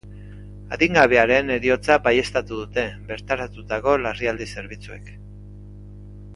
Adingabearen heriotza baieztatu dute bertaratutako larrialdi zerbitzuek.